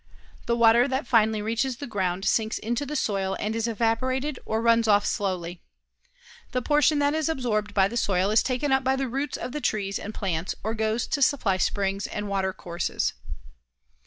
The water that finally reaches the ground sinks into the soil and is evaporated or runs off slowly. The portion that is absorbed by the soil is taken up by the roots of the trees and plants or goes to supply springs and watercourses.